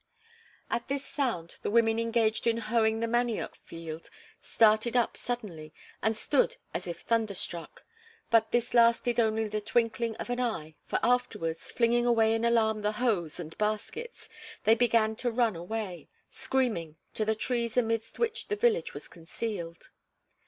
At this sound, the women engaged in hoeing the manioc field started up suddenly and stood as if thunderstruck, but this lasted only the twinkling of an eye, for afterwards, flinging away in alarm the hoes and baskets, they began to run away, screaming, to the trees amidst which the village was concealed.